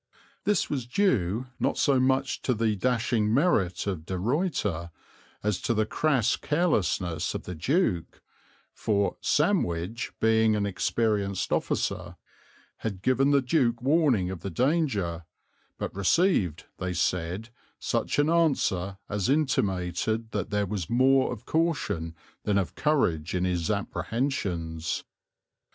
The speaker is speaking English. This was due not so much to the dashing merit of De Ruyter as to the crass carelessness of the Duke, for "Sandwich, being an experienced officer, had given the Duke warning of the danger; but received, they said, such an answer as intimated that there was more of caution than of courage in his apprehensions."